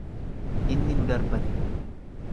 Inni nu darbate.